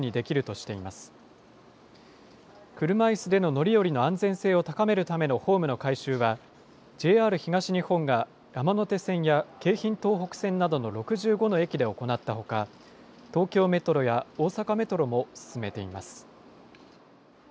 車いすでの乗り降りの安全性を高めるためのホームの改修は、ＪＲ東日本が山手線や京浜東北線などの６５の駅で行ったほか、東京メトロや大阪メトロも進めています。